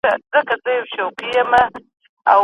ایا د ژمي په موسم کي د مېوو خوړل اړین دي؟